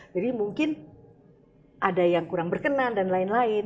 jadi mungkin ada yang kurang berkenan dan lain lain